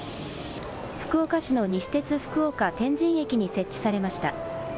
福岡市の西鉄福岡天神駅に設置されました。